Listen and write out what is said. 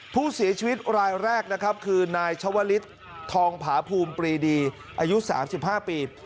ผู้เสียชีวิตรายแรกนะครับคือนายชวลิศทองผาภูมิปรีดีอายุ๓๕ปี